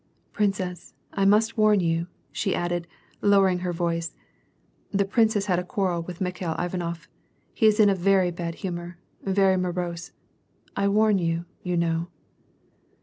" Princess, I must warn you," she added, lowering her voice, "the prince has had a quarrel with Mikhail Ivanof. He is in a very bad humor; very morose. I warn you, — you know."